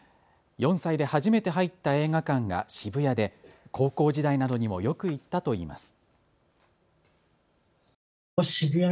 ４歳で初めて入った映画館が渋谷で高校時代などにもよく行ったといいます。